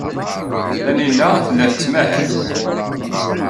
Taninna tella tettmahal.